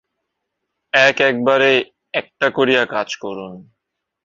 এক-একবারে একটা করিয়া কাজ করুন।